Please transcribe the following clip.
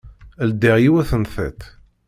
Ldiɣ yiwet n tiṭ.